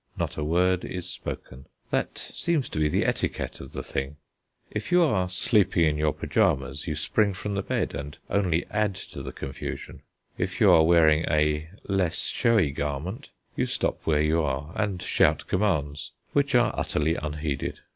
Not a word is spoken; that seems to be the etiquette of the thing. If you are sleeping in your pyjamas, you spring from the bed, and only add to the confusion; if you are wearing a less showy garment, you stop where you are and shout commands, which are utterly unheeded.